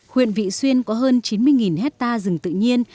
huyện vị xuyên có hơn chín mươi hectare rừng tự nhiên